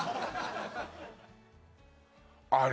あれ？